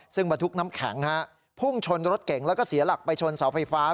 ซึ่งบรรทุกน้ำแข็งพุ่งชนรถเก่งแล้วก็เสียหลักไปชนเสาไฟฟ้า